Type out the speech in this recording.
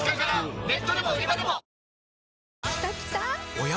おや？